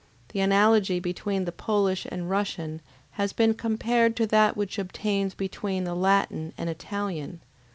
The analogy between the Polish and Russian, has been compared to that which obtains between the Latin and Italian.